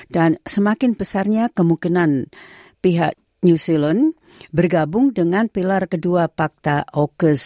dan semakin besarnya kemungkinan pihak new zealand bergabung dengan pilar kedua pakta aukus